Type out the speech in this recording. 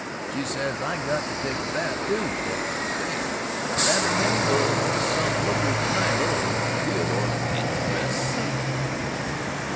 She says I got to take a bath, too. But, say, the Babbitt men will be some lookers to night! Little Theodore in a dress suit!"